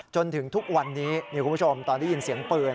จนถึงทุกวันนี้คุณผู้ชมตอนได้ยินเสียงปืน